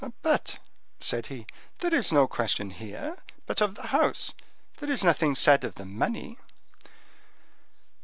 "But," said he, "there is no question here but of the house; there is nothing said of the money."